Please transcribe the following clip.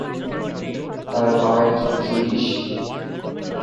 তার বাবা একজন সুইডিশ।